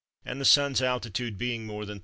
and the Sun's altitude being more than 30°.